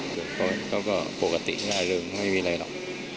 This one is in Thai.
ส่วนเขาก็ปกติร่าเริงไม่มีอะไรหรอก